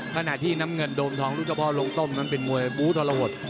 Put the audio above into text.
ขณะที่น้ำเงินโดมทองลูกเฉพาะลงต้มนั้นเป็นมวยบูทรหด